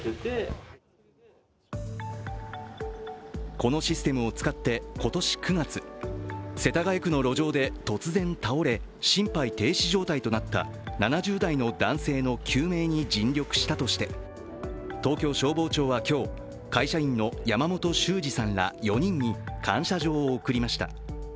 このシステムを使って今年９月、世田谷区の路上で突然倒れ、心肺停止状態となった７０代の男性の救命に尽力したとして、東京消防庁は今日会社員の山本修史さんら４人に感謝状を贈りました。